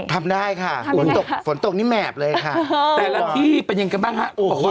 ทำได้ค่ะฝนตกฝนตกนี่แหมบเลยค่ะแต่ละที่เป็นยังไงกันบ้างฮะ